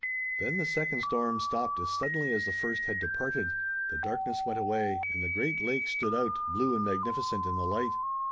Then the second storm stopped as suddenly as the first had departed, the darkness went away, and the great lake stood out, blue and magnificent, in the light.